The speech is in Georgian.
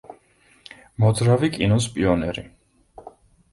მოძრავი კინოს პიონერი.